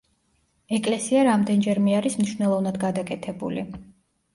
ეკლესია რამდენჯერმე არის მნიშვნელოვნად გადაკეთებული.